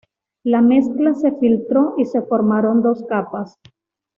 La mezcla se filtró y se formaron dos capas.